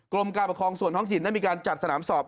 กรมการปกครองส่วนท้องถิ่นได้มีการจัดสนามสอบ